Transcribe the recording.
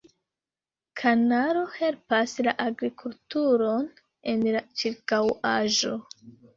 Kanalo helpas la agrikulturon en la ĉirkaŭaĵo.